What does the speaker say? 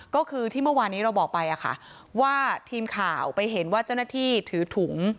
ก็คือที่เมื่อวานี้เราบอกไปว่าทีมข่าวไปเห็นว่าเจ้าหน้าที่ถือถุง